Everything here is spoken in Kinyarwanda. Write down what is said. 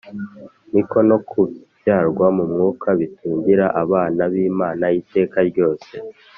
ni ko no kubyarwa mu Mwuka bitugira abana b'Imana iteka ryose